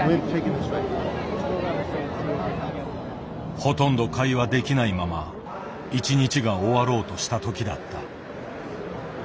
ほとんど会話できないまま一日が終わろうとしたときだった。